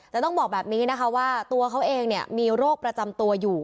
แต่ต้องบอกแบบนี้นะคะว่าตัวเขาเองมีโรคประจำตัวอยู่